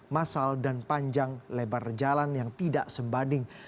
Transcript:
masal dan panjang lebar jalan yang tidak sebanding